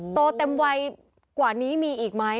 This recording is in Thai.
โตเต็มวัยกว่านี้มีอีกไหม